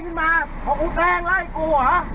อ๋อผมก็ขำ